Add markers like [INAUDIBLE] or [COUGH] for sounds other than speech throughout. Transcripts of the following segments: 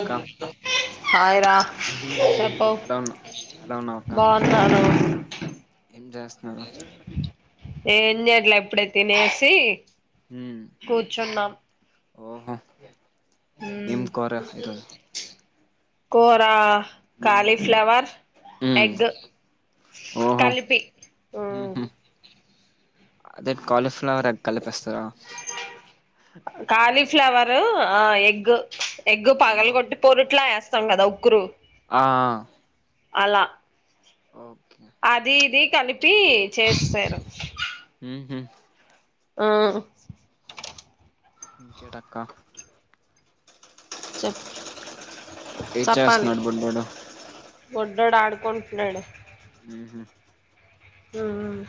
అక్క హాయ్ రా చెప్పు ఎలా ఉన్నా ఎలా ఉన్నావు అక్క బగ్గునాను ఏం చేస్తున్నారు ఏం చెయ్యట్లే ఎప్పుడే తినేసి ఉమ్ కూర్చున్నాం ఓహో ఏం కోరా ఈరోజు కోరా ఉమ్ కాలీఫ్లవర్ ఉమ్ ఎగ్ ఓహో కలిపి ఉమ్ ఉహు అదే కాలీఫ్లవర్ ఎగ్ కలిపిస్తారా ఫ్లవర్ ఆ ఎగ్ ఎగ్ పగలు కోటి పోరిట్లా వేస్తాం కదా ఉక్కురు ఆ ఆ అలా ఓకే అది ఇది కలిపి చేసేసారు ఉహు ఉమ్ ఇంకేంటి అక్క చప్ ఏం చప్పాలి చేస్తున్నాడు బుడ్డోడు బోడ్డొడు ఆడుకొ డు ఉమ్ హ్మ్ ఉమ్మ్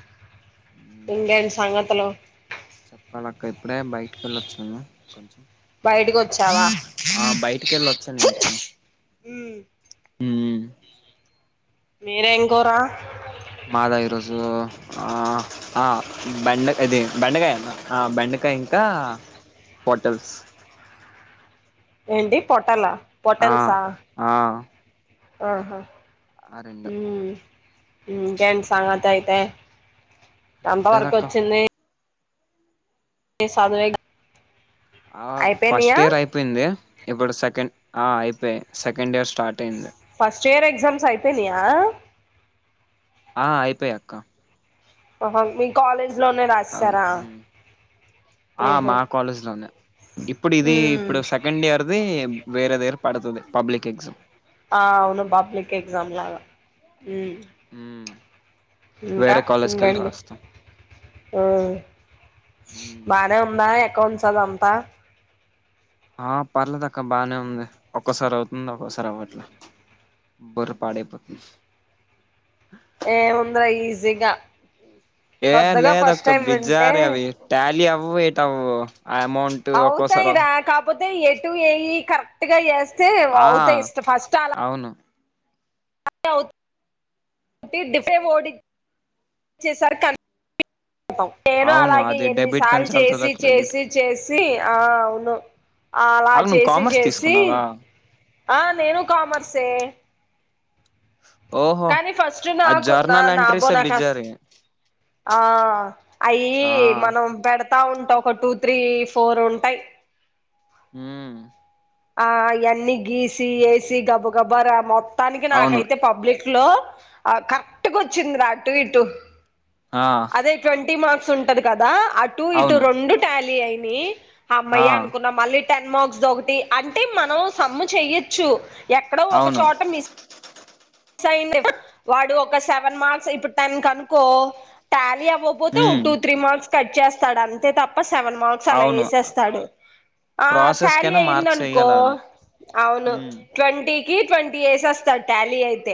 ఉమ్ ఇంకేంటి సంగతులు చెప్పాలక్క ఇప్పుడే బయటికి కెళ్ళి వచ్చాను కొంచెం బయటకి వచ్చావా ఆ బయటికి కెళ్ళొచ్చాను ఇంటికి హ్మ్ ఉమ్ మీరే ఏంకూర మాదా ఈ రోజు ఆ బెండ ఇది బెండకాయ ఆ బెండ ఇంకా హోటల్స్ ఏంటి పొట్టాలా ఆ ఆ ఆహా ఆ రెండు హ ఇంకేంటి సంగతి అయితే ఎంత వర్కు ఏట్లేదక్క వచ్చింది ని సదువే గ ఆ ఫస్ట్ ఇయర్ అయిపోయింది ఇప్పుడు సెకండ్ ఆ అయిపోయి సెకండ్ ఇయర్ స్టార్ట్ అయింది ఎక్సామ్స్ అయిపోనియా ఆ అయిపోయా అక్క ఓహో మీ కాలేజ్ లోనే అవి రస్సరా ఉమ్. ఆ మా కాలేజ్ లోనే ఇప్పుడు ఇది హ్మ్ ఇప్పుడు సెకండ్ ఇయర్థి వేరే దేరా పడతది పబ్లిక్ ఎక్జమ్ ఆ అవును పబ్లిక్ ఎగ్జామ్ లాగా హ్మ్ ఉమ్. ఇంకా వేరే కాలేజ్కి వెళ్ళి ఇంగేంది రాస్తాం ఉమ్ ఉమ్. బానె ఉంద అకౌంట్స్ అదంతా ఆ పర్లేదు అక్క బానే ఉంది ఒక్కోసారి అవుతుంది ఒక్కొసారి అవ్వట్లే బరి పాడైపోతుంది ఏమంద్రా ఈజీగా ఏ శ్రద్ధగా ఫస్ట్ లేదక్క టైం వింటే బిజారి అవి టాలి అవ్వు ఏటవ్వావ్ ఆ అమౌంట్ ఒక తయి రా కాకపోతే ఎటు ఏఇ కరెక్ట్గా చేస్తే ఆ అవుతాయి ఇష్ట ఫస్ట్ అలా అవును అవ్ డిఫే ఓడి చేశారు క నేను అవును అలాగే అది డెబిట్ ఎన్నిసార్లు కంచి వెళ్తదా చేసి క్రెడిట్ చేసి చేసి ఆ అవును అలా అగు నువ్వు చేసి కామర్స్ చేసి తీసుకున్నావా ఆ నేను కామర్సే ఓహో కానీ ఫస్ట్ ఆ నాకు నా జర్నల్ నాబో ఎంట్రీసే నా కా బిజారి ఆ అయ్యి ఆ మనం పెడత తా ఉంటా ఒక టూ త్రీ ఫోర్ ఉంటాయి ఉమ్ ఆ అయన్ని గీసి వేసి గబుగబరా మొత్తానికి అవును నాకైతే పబ్లిక్ లో కరెక్ట్ వచ్చింది రా అటూ ఇటూ ఆ అదే ట్వంటీ మార్క్స్ ఉంటది కదా అటు ఇటు అవును రెండు టాలీ అయినయి ఆ హమ్మయ్య అనుకున్నా మళ్ళీ టెన్ మార్క్స్ ఒకటి అంటే మనం సమ్ము చెయొచ్చు ఎక్కడో అవును ఒకచోట మిస్ వాడు ఒక సెవెన్ మార్క్స్ ఇప్పుడు టెన్ కనుకో టాలియ వపోతే ఓ ఉమ్ టూ త్రీ మార్క్స్ కట్ చేస్తాడు అంతే తప్ప సెవెన్ మార్క్స్ అలా అవును యెసేస్తాడు ఆ ప్రాసెస్ టాలి కైనా అయింది మార్క్స్ అన్కో ఎయ్యాలాడు అవును ఉమ్ ట్వంటీ కి ట్వంటీ యేసేస్తాడ్ టాలీ అయితే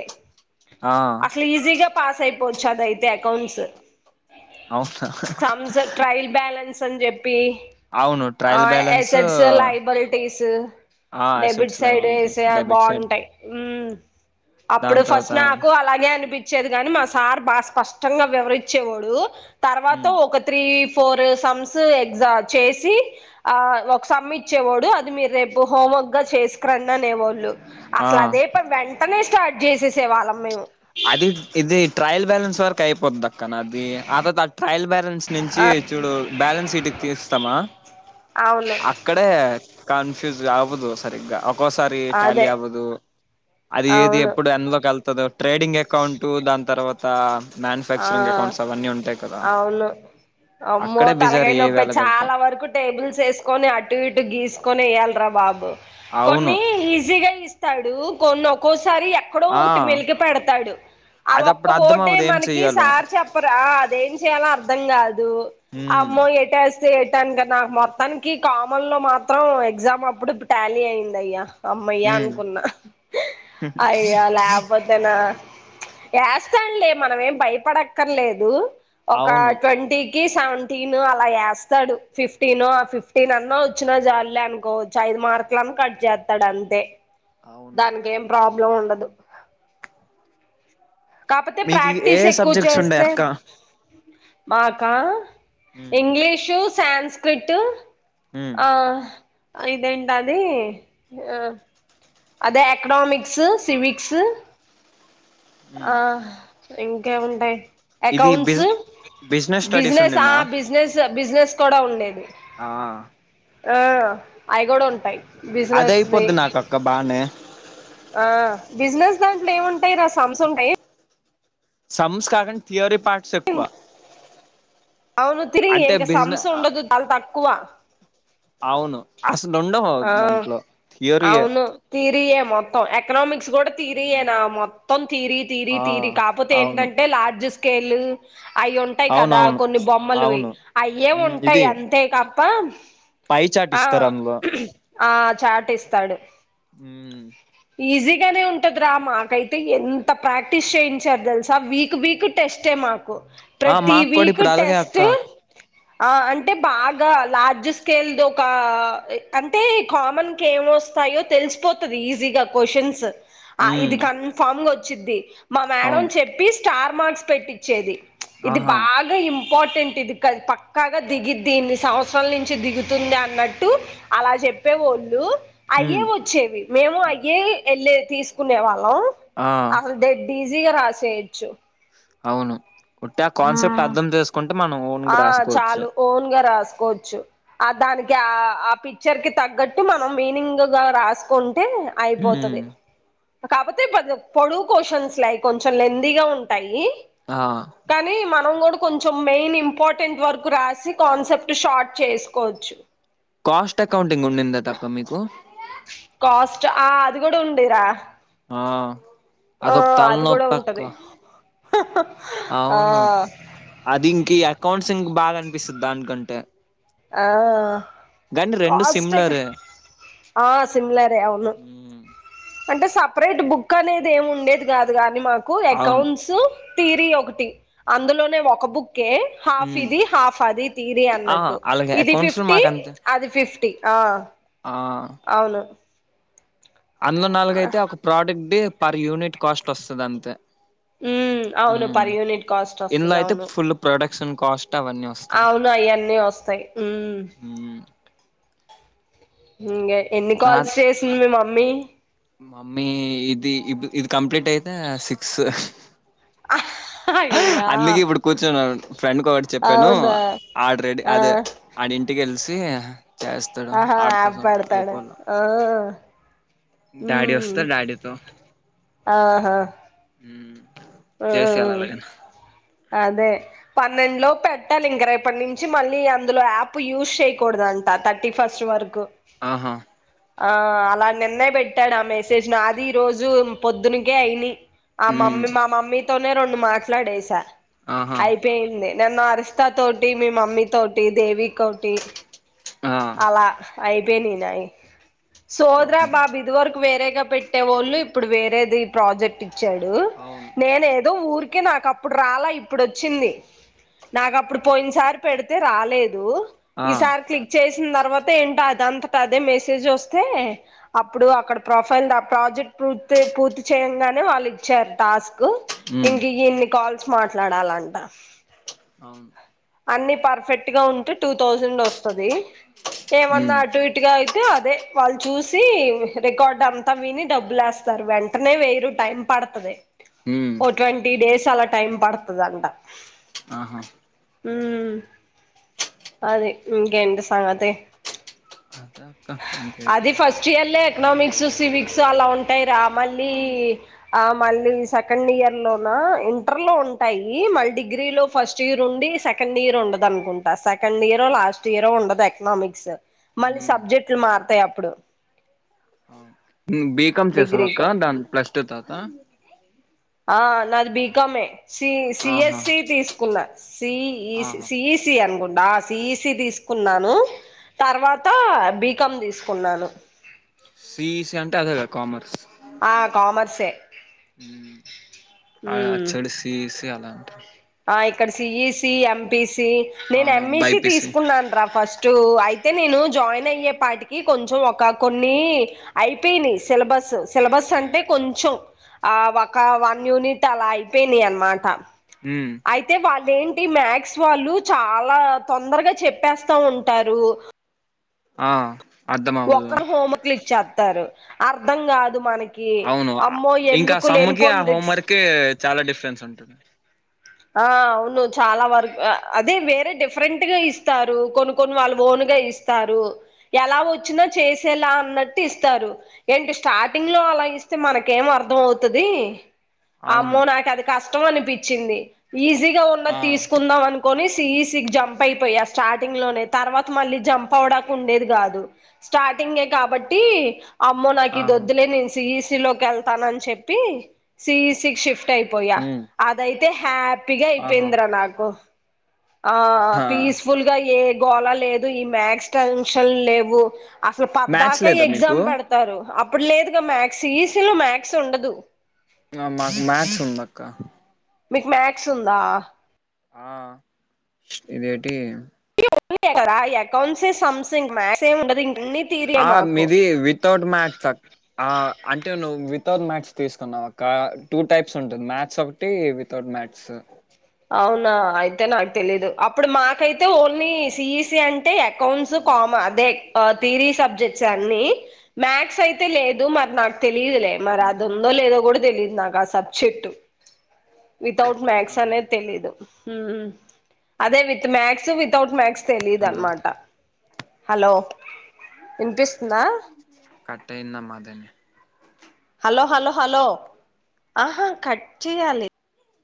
ఆ అసలు ఈజీగా పాస్ ఐపో పోచ్చు అది అయితే అకౌంట్స్ అవునా కమ్స్ ట్రయల్ బ్యాలెన్స్ పి అవును ఆ ట్రయల్ బ్యాలెన్స్ ఎసెట్స్ లైబలిటీస్ ఆ అసెట్స్ డెబిట్ సైడ్ లయబిలిటీస్ వేసయ డెబిట్ సైడ్ బాగుంటాయి అప్పుడు దాని తర్వాత ఫస్ట్ నాకు అలాగే అనిపించ చేద్ గాని మా సార్ బా స్పష్టంగా వివరిచ్చేవోడు తర్వాత ఒక త్రీ ఫోర్ సమ్స్ ఎగ్జా చేసి ఆ ఒక సమ్ ఇచ్చేవోడు అది మీరు రేపు హోమ్ స్లోగా చేసుకురడి అనేవాళ్ళు ఆ అసలు అదే అయితే వెంటనే స్టార్ట్ చేసేసే వాళ్ళం మేము అది ఇది ట్రయల్ బ్యాలెన్స్ వరకు అయిపోతుంది అక్క నది అది ఒక్ ట్రయల్ బ్యాలెన్స్ నుంచి చూడు బ్యాలెన్స్ సీట్కి తీస్తామా అవును అక్కడే కన్ఫ్యూజ్ ఆవుదు సరిగ్గా ఒకోసారి టాలీ అదే అవ్వదు అది ఏది అవును ఎప్పుడు ఎన్లోక్ ఎళ్తదో ట్రేడింగ్ అకౌంటు దాని తర్వాత మ్యానుఫ్యాక్చరింగ్ ఆ అకౌంట్స్ అవన్నీ ఉం అవును అమ్మో బిజారు తలకాయి ఏ నొప్పి వేళగలితే చాలా వరకు టేబుల్స్ ఏస్కొని అటు ఇటు గీసుకొని ఏయాల్ ట్రా బాబు అవును కొన్ని ఈజీగా ఇస్తాడు కొన్ని తరి ఎక్కడో ఆ ఒకటి మెలిక పెడతాడు ఆ అది ఒక్క అప్పుడు అర్థం ఓడే అవ్వదు ఏం మనక్ కి చెయ్యాలో సార్ చెప్పరా అదేం చేయలో అర్థం కాదు ఉమ్ అమ్మో ఎటేస్ తేటాన్కా నాక్ మొత్తానికి కామన్ లో మాత్రం ఎగ్జామ్ అప్పుడు టాలీ అయిందయ్యా అమ్మయ్య ఉమ్ అనుకున్నా అయ్యా లేపోతేనా యాస్తాన్లే మనం ఏం భయపడక్కర్లేదు ఒక అవును ట్వంటీ కి సెవెంటీన్ అలా యేస్తాడు ఫిఫ్టీన్ ఓ ఫిఫ్టీన్ అన్నా వచ్చిన చాల్లే అనుకోవచ్చు మార్కుల్ న్ కట్ జేత్తాడు అంతే. అవును దాన్కేం ప్రాబ్లం ఉండదు కాపోతే ప్రా మీకు ఏ టీస్ ఎక్కువ సబ్జెక్ట్స్ ఉండే చేస్తే అక్క మాకా ఇంగ్లీషు సాన్స్క్రిట్ ఉమ్ ఆ ఇదేంటది ఆ అదే ఎకనోమిక్స్, సివిక్స్ ఆ ఇంకేముంటాయ్ ఇది అకౌంట్స్, బిజ్ బిజినెస్ స్టడీస్ బిస్నెస్ ఆ ఉండిందా బిస్నెస్ బిస్నెస్ కూడా ఉండేది. ఆ ఆ అయిగుడా ఉంటాయ్ అదయిపోద్ది నాకు అక్క బానే ఆ బిస్నెస్ దాంట్లో ఏముంటాయి రా సమ్స్ ఉంటాయ్ సమ్స్ కాకుండ థియరీ పార్ట్స్ ఎక్కువ అవును థిరి అంటే ఎంకా సమ్స్ బిజినెస్ ఉండదు దల్ తక్కువ అవును అసలు ఉండవు ఆ దాంట్లో థియోరీయే అవును తీరియే మొత్తం ఎకనమిక్ స్ కూడా తీరియేనా మొత్తం తీరి తీరి ఆ తీరి కాపోతే అవును ఏంటంటే లార్జ్ స్కేల్ అయ్ ఉంటాయ్ కదా అవునవును కొన్ని బొమ్మలువి అవును అయ్యే ఉమ్ ఉంటాయ్ ఇది అంతే కప్పా పై చాట్ ఆ ఇస్తారు అందులో ఆ చాట్ ఇస్తాడు. హ్మ్ ఈజీగానే ఉంటదిరా మాకైతే ఎంత ప్రాక్టీస్ చేయించారు దెలుసా వీక్ వీక్ టెస్టే మాకు ప్రతి వీకు అలగే అక్కా ఆ అంటే బాగా లార్జ్ స్కేల్ దొక అంటే కామన్ కే వొస్తాయో తెలిసిపోతది ఈజీగా క్వశ్చన్స్ ఆ ఇది ఉమ్ కన్ఫామ్ వచ్చిద్ది మా మేడం అవును చెప్పి స్టార్ మార్క్స్ పెట్టిచ్చేది. ఇది ఆహా బాగా ఇమ్ పార్టెంట్ ఇది క పక్కాగా దిగిద్ది ఇన్ని సంవత్సరాల నుంచి దిగుతుంది అన్నట్టు అలా చెప్పేవోళ్ళు ఉమ్ అయ్యే వచ్చేవి మేము అయ్యే ఎల్లే తీసుకునేవా లో ఆ అసలు డెడ్ ఈజీగా రాసేయొచ్చు అవును ఉట్టి ఆ కాన్సెప్ట్ అర్థం చేసుకుంటే మనం ఓన్గా ఆ రాసుకోవచ్చు చాలు ఓన్గా రాసుకోచ్చు ఆ దాని ఆ పిక్చర్ కి తగ్గట్టు మనం మీనింగ్ గా రాసుకున్ అంటే అయిపోతది హ్మ్ కాకపోతే పే పొడువు క్వషన్స్ లైక్ కొంచెం లెందీగా ఉంటుంది ఆ కానీ మనం గూడు కొంచెం మెయిన్ ఇంపార్టెంట్ వర్క్ రాసి కాన్సెప్ట్ షార్ట్ చేసుకోచ్చు కాస్ట్ అకౌంటింగ్ ఉండిందేతక్క మీకు చ ఆ అది కూడా ఉంది రా ఆ అదొక అది కూడా తలనోప్పక్క ఉంటది ఆ అవును అది ఇంకి అకౌంట్స్ ఇంగ్ బాగా అనిపిస్తది దానికంటే ఆ అ కానీ రెండు కాస్ట్ కి సిమ్లరే ఆ సిమ్లరే అవును అంటే సపరేట్ బుక్ అనేది ఏమి ఉండేది కాదు. కానీ మాకు అవును అకౌంట్స్ తీరి ఒకటి అందులోనే ఒక బుక్ హాఫ్ హ్మ్ ఇది హాఫ్ అది తీరి ఆ అన్నట్టు అలాగే ఇది అకౌంట్స్ లో ఫిఫ్టీ మాకంతే అది ఫిఫ్ టి ఆ ఆ అందులో నాలుగైతే ఒక ప్రొడక్ట్ పర్ యూనిట్ కాస్ట్ వస్తది అంతే ఉమ్ అవును హ్మ్ పర్ యూనిట్ కాస్ట్ ఇందులో వస్తది. అయితే అవును ఫుల్ ప్రొడక్షన్ కాస్ట్ అవన్నీ వస్తాయి అవును అయన్నీ వస్ వస్తయి ఊ హ్మ్ ఇంగ ఎన్ని నా కాల్స్ చేసింది మీ మమ్మీ మమ్మీ ఇది ఇపుడు ఇది కంప్లీట్ అయితే సిక్స్ అయ్యా బ్లాంక్ అందుకే ఇప్పుడు కూర్చుని ఒక్ ఫ్రెండ్కి ఒకటి చెప్పాను అవునా ఆడ్రెడీ ఆ, అదే ఆడిం టికల్సి ఆహా ఆబ్బడతాడు ఓ డాడి వస్తె డాడీతో ఆహా ఉ ఆ చేసేయాలి ఎలాగైన అదే పన్నెండు లో పెట్టాలి. ఇంక రేపటి నుంచి మళ్ళీ అందులో యాప్ యూజ్ చేయకూడదు. అంట థర్టీ ఫస్ట్ వరకు ఆహా ఆ అలా నిన్నే పెట్టాడు. ఆ మెసేజ్ నాది ఈ రోజు పొద్దునికే అయినయి ఆ మమ్మీ మా మమ్మీతోనే రెండు మాట్లాడేస ఆహా అయిపోయింది. నిన్న అరిస్తా తోటి మీ మమ్మీ తోటి దేవికో టి ఆ అలా అయిపోయినయి నాయి సోదిరా ఓహో బాబు ఇది వరకు వేరేగా పెట్టేవోళ్ళు ఇప్పుడు వేరేది ప్రాజెక్ట్ ఇచ్చాడు అవును నేనే ఊరికే నాకు అప్పుడు రాలా ఇప్పుడు వచ్చింది. నాకు అప్పుడు పోయిన్ ఈ సారి పెడితే రాలేదు ఆ ఈ సారిక్లి చేసిన తర్వాత అదనంతటా అదే మెసేజ్ వస్తే అప్పుడు అక్కడ ప్రొఫైల్ దా ప్రాజెక్ట్ పూర్తి పూర్తి చేయంగానే వాళ్ళు ఇచ్చారు టాస్క్ హ్ ఇంక ఇన్ని కాల్స్ మాట్లాడాలంట అవును అన్ని పర్ఫెక్ట్ గా ఉంటే టూ థౌజండ్ వస్తది ఏమన్నా అవును అటు ఇటుగా అయితే అదే వాళ్ళు చూసి రికార్డు అంతా విని డబ్బులేస్తారు. వెంటనే వెయ్యరు టైం పడతది ఓ ట్వంటీ డేస్ అలా టైం పడతది అంట. ఆహా హ్మ్ అది ఇంకేంది సంగతీ అద అక్క అది ఇంకేటి ఫస్ట్ఇయర్లే ఎకనామిక్స్, సివిక్స్ అలా ఉంటాయి. ఆ మళ్ళీ ఆ మళ్ళీ సెకండ్ ఇయర్లోన ఇంటర్లో ఉంటాయి మళ్ డిగ్రీలో ఫస్ట్ ఇయర్ ఉండి సెకండ్ ఇయర్ ఉండదన్కుంటా స సెకండ్ ఇయరో లాస్ట్ ఇయరో ఉండదు. ఎకనామిక్స్ మళ్ళీ అవును సబ్జెక్ట్లు మారూతాయి అప్పుడు. అవున్ మ్ బీకమ్ చేసావా డిగ్రీకి అక్క దాని ప్లస్ టూ తవ్తా కమే సీ సిఎస్సి తీస్కున్న సిఈసి ఆహా సిఈసి అన్కుం డా సీఈసి తీస్కున్నాను తర్వాత బీకాం తీస్కున్నాను. సిఈసి అంటే అదేగా కామర్స్ ఆ కామర్సే మ్ ఉమ్ అద్ సిఇ ఆ ఇక్కడ్ సీఈసి, ఎంపీసి నేన్ అవునవును ఎంఈసి బైపీసి తీస్కున్నాన్రా ఫస్ టు అయితే నేను జాయిన్ అయ్యేపాటికి కొంచెం ఒక కొన్ని అయిపోయినై సిలబ స్ సిలబస్ అంటే కొంచెం ఆ వక వన్ యూనిట్ అలా అయిపోయినయి అన్మాట ఉమ్ అయితే వాల్ లేంటి మాక్స్ వాళ్ళు చాలా తొందర్గా చెప్పేస్తా ఉంటారు. ఆ అర్థం అవ్వదు ఒక్క హోమ క్లిక్ చేస్తారు అర్థం కాదు మన కీ అవును అమ్మో ఇంకా ఎందుకు సమ్ముకి ఆ లేనిపోన్ రిక్స్ హోంవర్క్ కి చాలా డిఫరెన్స్ ఉంటది ఆ అవును చాలా వరక్ అ అదే వేరే డిఫరెంట్గా ఇస్తారు కొను కొను వాళ్ళు ఓనుగా ఇస్తారు. ఎలా వచ్చిన్దో చేసేలా అన్నట్టు ఇస్తారు. ఏంటి స్టార్టింగ్లో అలా ఇస్తే మనకేమ మర్ధ అవుతది. అవును అమ్మో నాకది కష్టం అనిపిచ్చింది. ఈజీగా ఉన్నద్ ఆ తీస్కుందాం అన్కోని సిఈసిక్ జంప్ అయిపోయా స్టార్టింగ్లోనే తర్వాత మళ్ళీ జంప్ అవడాక్ ఉండేది కాదు స్టార్ టింగే కాబట్టి అమ్మో ఆహా నాకిదొద్దులే నేన్ సిఈసి లోక్ ఎల్తనన్ చెప్పి సిఈసికి షిఫ్ట్ అయిపోయా ఉమ్ అదైతే హ్యాపీగా ఆహా అయిపోయిందిరా నాకు ఆ హా పీస్ఫుల్గా ఏ గోలా లేదు ఈ మ్యాథ్స్ టెన్షన్ లేవు. అసలు మ్యాథ్స్ పద్ధాకే లేదా మీకు ఎగ్జామ్ బెడ్తారు. ఇప్పుడ్ లేదుగా మ్యాథ్స్ సిఈసిలో మ్యాథ్స్ ఉండదు. మ మాక్ మ్యాథ్స్ ఉందక్క. మీక్ మ్యాథ్స్ ఉందా? ఆ స్పిరేటి ఏ [UNINTELLIGIBLE] అకౌంట్స్ సమ్థంగ్ మ్యాథ్స్ ఏ ఉండది. ఆ మేబి వితౌట్ మ్యాథ్స్ అ ఆ అంటే నువ్ విత్ తౌట్ మ్యాథ్స్ తీస్కున్నావ్ అక్క టూ టైప్స్ ఉంటుంది మ్యాథ్స్ ఒకటి వితౌట్ మ్యాథ్స్. అవునా అయితే నాక్ తెలీదు అప్పుడు మాకైతే ఓన్లీ సిఈసి అం టే అకౌంట్స్ కోమా అదే ఆ తీరి సబ్జెక్ట్సే అన్ని మ్యాథ్స్ అయితే లేదు మరి నాక్ తె తెలీదులే మరదుందో లేదో గుడా తెలీదు నాక్ సబ్జెక్టు. వితౌట్ మ్యాక్స్ ఆహా అనే మ్ అదే with maths, without maths hello తెలీదన్మాట. హలో విన్పిస్తుందా? కట్టయింద మధ్యల హలో హలో హలో!